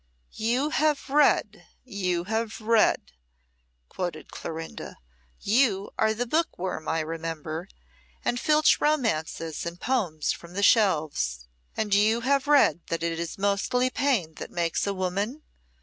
"You have read you have read," quoted Clorinda. "You are the bookworm, I remember, and filch romances and poems from the shelves. And you have read that it is mostly pain that makes a woman?